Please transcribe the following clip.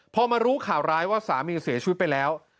พอมารู้ข่าวร้ายว่าสามีเสียชีวิตไปแล้ว